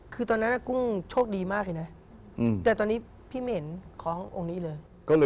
คือตอนนั้นกุ้งโชคดีมากเลยนะแต่ตอนนี้พี่ไม่เห็นขององค์นี้เลย